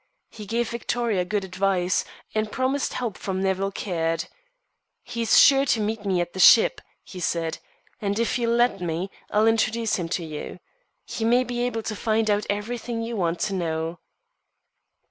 He gave Victoria good advice, and promised help from Nevill Caird. "He's sure to meet me at the ship," he said, "and if you'll let me, I'll introduce him to you. He may be able to find out everything you want to know."